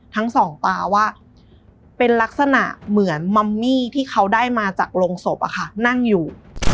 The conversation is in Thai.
ทั้งสองตาว่าเป็นลักษณะเหมือนมัมมี่ที่เขาได้มาจากโรงศพนั่งอยู่